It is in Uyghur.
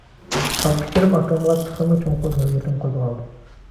ئابدۇكېرىم ئاكامغا تېخىمۇ چوڭقۇر ھۆرمىتىم قوزغالدى.